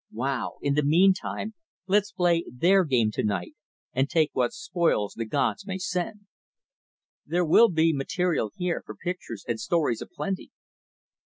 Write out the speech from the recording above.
Wow! In the meantime, let's play their game to night, and take what spoils the gods may send. There will be material here for pictures and stories a plenty."